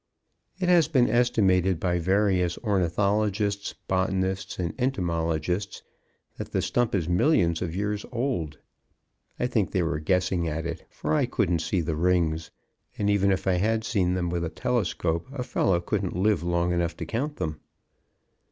It has been estimated by various ornithologists, botanists and entomologists that the stump is millions of years old. I think they were guessing at it, for I couldn't see the rings, and even if I had seen them with a telescope a fellow couldn't live long enough to count them.